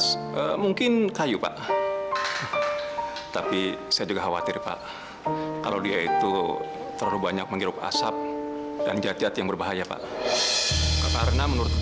sampai jumpa di video selanjutnya